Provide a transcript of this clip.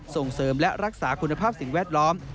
ส่งเสริมและรักษาคุณภาพสิ่งแวดล้อม